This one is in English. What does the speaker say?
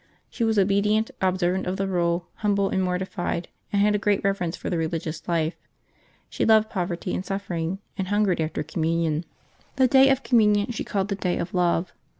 She was obedient, observant of the rule, humble and mortified, and had a great reverence for the religious life. She loved poverty and suffering, and hungered after Communion. The day of Communion she called the day of love.